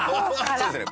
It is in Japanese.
そうですね。